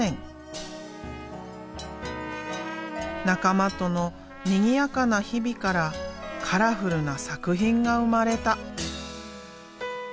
仲間とのにぎやかな日々からカラフルな作品が生まれた。